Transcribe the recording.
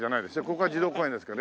ここは児童公園ですけど。